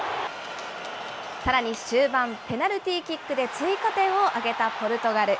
さらに終盤、ペナルティーキックで追加点を挙げたポルトガル。